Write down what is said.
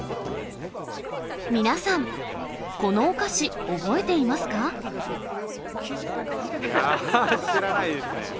皆さん、このお菓子、覚えていやー、知らないですね。